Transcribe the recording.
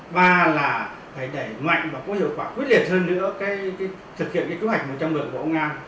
ba là phải đẩy mạnh và có hiệu quả quyết liệt hơn nữa thực hiện chức hạch một trăm một mươi của ông ngang